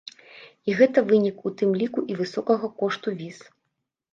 І гэта вынік, у тым ліку, і высокага кошту віз.